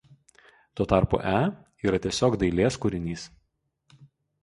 Tuo tarpu „e“ yra tiesiog „dailės kūrinys“.